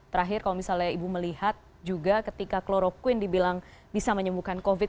terakhir kalau misalnya ibu melihat juga ketika kloroquine dibilang bisa menyembuhkan covid